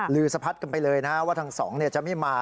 ลือสะพัดกันไปเลยนะว่าทั้งสองจะไม่มา